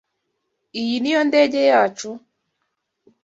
Iyi niyo ndege yacu?